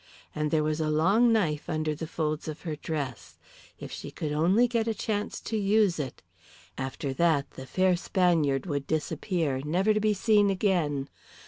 And there was a long knife under the folds of her dress. If she could only get a chance to use it! After that the fair Spaniard would disappear, never to be seen again.